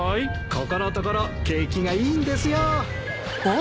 ここのところ景気がいいんですよ。